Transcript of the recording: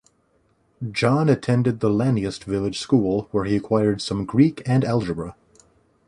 John attended the Laneast village school where he acquired some Greek and algebra.